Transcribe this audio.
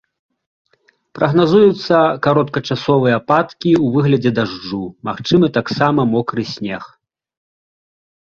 Прагназуюцца кароткачасовыя ападкі ў выглядзе дажджу, магчымы таксама мокры снег.